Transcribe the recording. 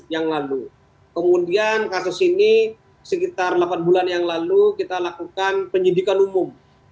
yang lalu kemudian kasus ini sekitar delapan bulan yang lalu kita lakukan penyidikan umum